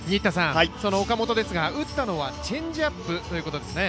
その岡本ですが、打ったのはチェンジアップということですね。